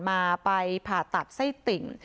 มาไปผ่าตัดไส้ติ่ง